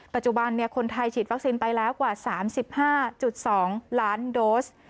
ปัจจุบันคนไทยฉีดวัคซีนไปแล้วกว่า๓๕๒ล้านโดส